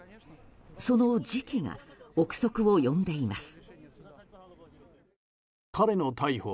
その時期が憶測を呼んでいます。